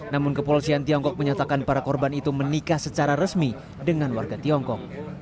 namun kepolisian tiongkok menyatakan para korban itu menikah secara resmi dengan warga tiongkok